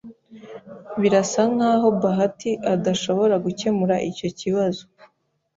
Birasa nkaho Bahati adashobora gukemura icyo kibazo.